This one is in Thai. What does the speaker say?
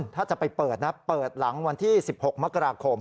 ถ้าจะไปเปิดนะเปิดหลังวันที่๑๖มกราคม